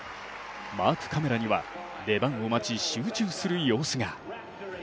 マークカメラには出番を待ち集中する様子が。